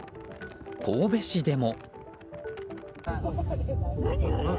神戸市でも。